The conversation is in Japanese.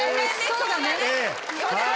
そうだね。